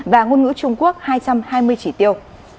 và ngôn ngữ trung quốc hai trăm hai mươi chỉ tiêu